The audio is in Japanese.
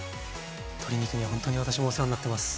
鶏肉にはほんとに私もお世話になってます。